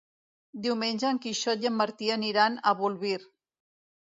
Diumenge en Quixot i en Martí aniran a Bolvir.